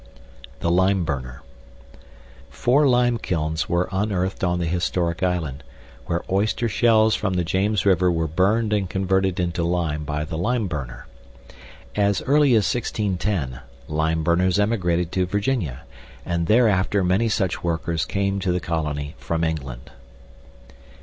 THE LIMEBURNER Four lime kilns were unearthed on the historic island, where oyster shells from the James River were burned and converted into lime by the limeburner. As early as 1610 "lymeburners" emigrated to Virginia, and thereafter many such workers came to the colony from England.